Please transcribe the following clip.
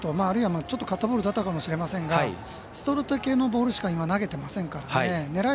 あるいは、ちょっとカットボールだったかもしれませんがストレート系のボールしか投げていませんからね。